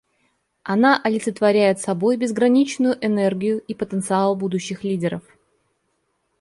Она олицетворяет собой безграничную энергию и потенциал будущих лидеров.